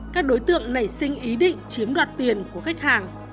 các đối tượng nảy sinh ý định chiếm đoạt tiền của khách hàng